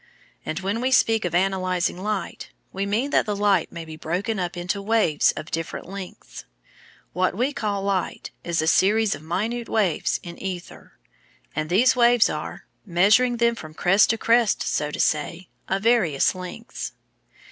And when we speak of analysing light, we mean that the light may be broken up into waves of different lengths. What we call light is a series of minute waves in ether, and these waves are measuring them from crest to crest, so to say of various lengths.